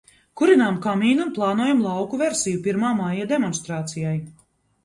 Kurinām kamīnu un plānojam lauku versiju pirmā maija demonstrācijai.